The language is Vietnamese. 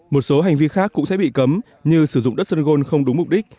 một số hành vi khác cũng sẽ bị cấm như sử dụng đất sun gold không đúng mục đích